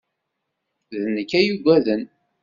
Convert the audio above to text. D nekk ay yugaden.